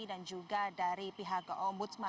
dan juga dari pihak keombudsman